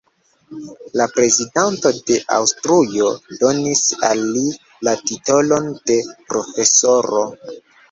La Prezidanto de Aŭstrujo donis al li la titolon de "profesoro".